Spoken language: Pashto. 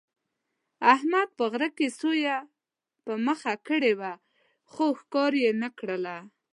احمد په غره کې سویه په مخه کړې وه، خو ښکار یې نه کړله.